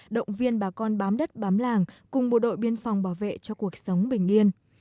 động viên bà con bám đất bám làng cùng bộ đội biên phòng bảo vệ cho cuộc sống bình yên